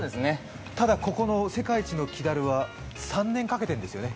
ただここの世界一の木だるは３年かけてるんですよね？